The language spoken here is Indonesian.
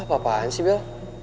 apaan sih bel